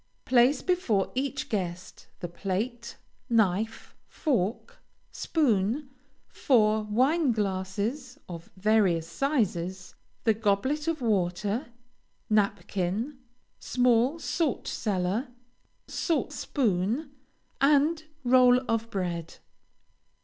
Place before each guest, the plate, knife, fork, spoon, four wine glasses of various sizes, the goblet for water, napkin, small salt cellar, salt spoon, and roll of bread.